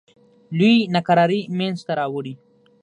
لویې ناکرارۍ منځته راوړې.